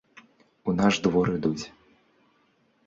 У наш двор ідуць.